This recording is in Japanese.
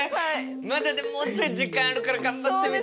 まだでももうちょい時間あるから頑張ってみて。